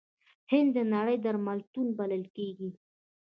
هند د نړۍ درملتون بلل کیږي.